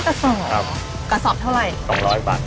พี่โอ้ยเปิดให้ดูได้ไหม